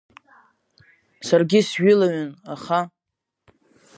Саргьы сжәылаҩын, аха…